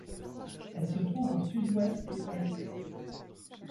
Elle se trouve au sud ouest de Taipei.